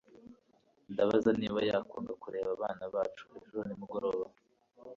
Ndabaza niba yakwanga kurera abana bacu ejo nimugoroba